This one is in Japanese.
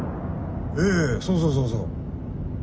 ええそうそうそうそう。